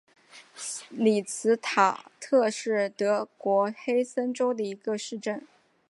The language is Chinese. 里茨塔特是德国黑森州的一个市镇。